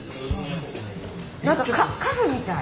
何かカフェみたい。